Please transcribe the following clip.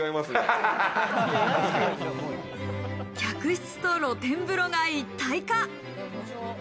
客室と露天風呂が一体化。